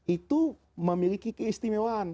itu memiliki keistimewaan